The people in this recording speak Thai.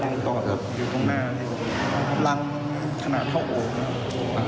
ตัวต่ออยู่ตรงหน้าหลังขนาดเท่าโอ